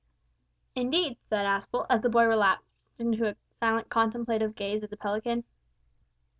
"Indeed," said Aspel, as the boy relapsed into a silent contemplative gaze at the pelican.